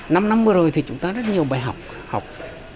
năm năm vừa rồi thì chúng ta rất nhiều bài học học